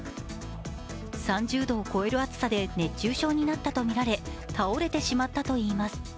３０度を超える暑さで熱中症になったとみられ倒れてしまったといいます。